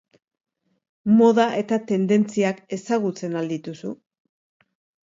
Moda eta tendentziak ezagutzen al dituzu?